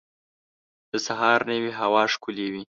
د سهار نوی هوا ښکلی وي.